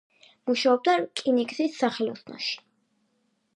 მუშაობდა რკინიგზის სახელოსნოში.